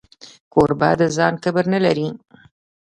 کوربه د ځان کبر نه لري.